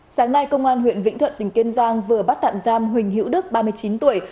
sáng nay công an huyện vĩnh thuận tỉnh kiên giang vừa bắt tạm giam huỳnh hữu đức ba mươi chín tuổi